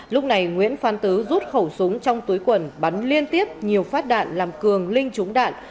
lúc này nguyễn phan tứ rút khẩu súng trong túi quần bắn liên tiếp nhiều phát đạn làm cường linh trúng đạn